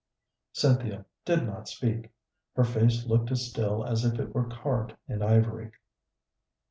Cynthia did not speak; her face looked as still as if it were carved in ivory.